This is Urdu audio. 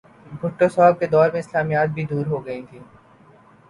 بھٹو صاحب کے دور میں اسلامیات بھی دو ہو گئی تھیں۔